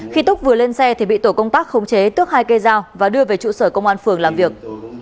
khi túc vừa lên xe thì bị tổ công tác khống chế tước hai cây dao và đưa về trụ sở công an phường làm việc